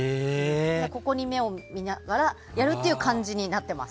これを見ながらやるという感じになってます。